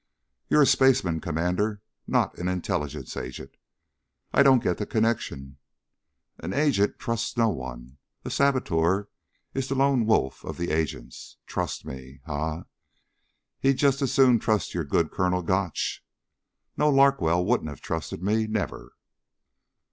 "You're a spaceman, Commander, not an intelligence agent." "I don't get the connection." "An agent trusts no one. And a saboteur is the lone wolf of the agents. Trust me? Ha! He'd just as soon trust your good Colonel Gotch. No, Larkwell wouldn't have trusted me. Never."